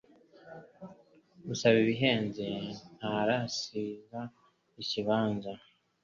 Usaba ibihenze ntarasiza ikibanza